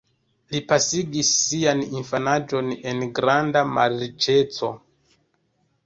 Li pasigis sian infanaĝon en granda malriĉeco.